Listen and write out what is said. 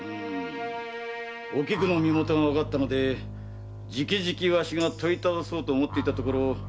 おきくの身もとがわかったので直々にわしが問いただそうと思っていたところ